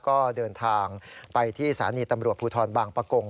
ก็เดินทางไปที่สถานีตำรวจภูทรบางประกง